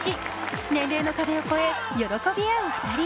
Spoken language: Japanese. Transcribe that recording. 年齢の壁を越え喜び合う２人。